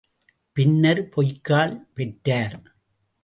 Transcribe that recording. பின்னர் பொய்க்கால் பெற்றார்.